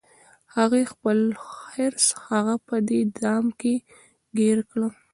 د هغې خپل حرص هغه په دې دام کې ګیر کړه